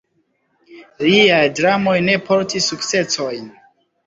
Liaj dramoj ne portis sukcesojn.